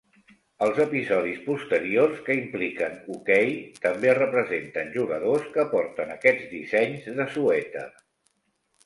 Els episodis posteriors que impliquen hoquei també representen jugadors que porten aquests dissenys de suèter.